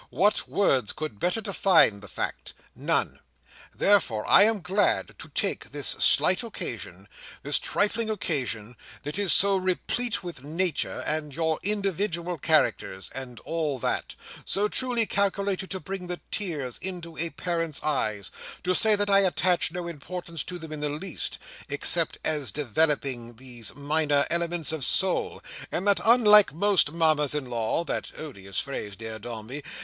What words could better define the fact? None. Therefore I am glad to take this slight occasion—this trifling occasion, that is so replete with Nature, and your individual characters, and all that—so truly calculated to bring the tears into a parent's eyes—to say that I attach no importance to them in the least, except as developing these minor elements of Soul; and that, unlike most Mamas in law (that odious phrase, dear Dombey!)